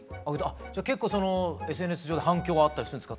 じゃあ結構ＳＮＳ上で反響があったりするんですか？